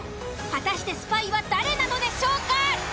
果たしてスパイは誰なのでしょうか。